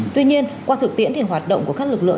tuy nhiên qua thực tiễn thì hoạt động của các lực lượng